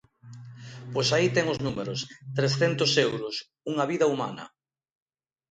Pois aí ten os números: trescentos euros, unha vida humana.